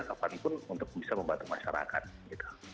kapan pun untuk bisa membantu masyarakat gitu